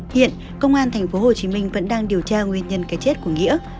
hiện công an tp hcm vẫn đang điều tra nguyên nhân cái chết của nghĩa